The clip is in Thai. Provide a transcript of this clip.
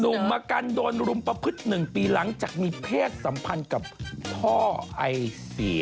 มากันโดนรุมประพฤติ๑ปีหลังจากมีเพศสัมพันธ์กับพ่อไอเสีย